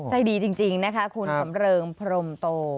ใจดีจริงนะคะคุณสำเริงพรมโต